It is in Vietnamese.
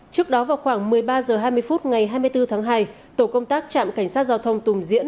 trước đó vào khoảng một mươi ba h hai mươi phút ngày hai mươi bốn tháng hai tổ công tác trạm cảnh sát giao thông tùm diễn